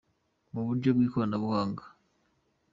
mu buryo bw’ikoranabuhanga.”